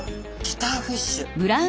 ギターフィッシュ。